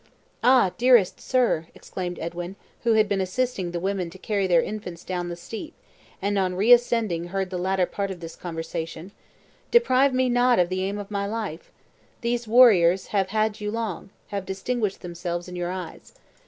"Ah, dearest sir!" exclaimed Edwin, who had been assisting the women to carry their infants down the steep, and on reascending heard the latter part of this conversation; "deprive me not of the aim of my life! These warriors have had you long have distinguished themselves in your eyes.